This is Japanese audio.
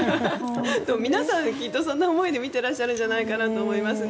皆さん、きっとそんな思いで見ていらっしゃるんじゃないかなと思いますね。